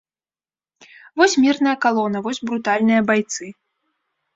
Вось мірная калона, вось брутальныя байцы.